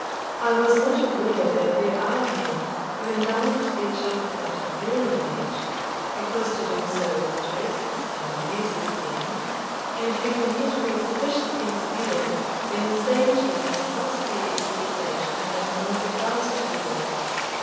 I was not aware that there are men who indulge their children at an early age, because to do so interests and amuses them, and who can yet be sufficiently severe when the same children cross their expectations at a more advanced period.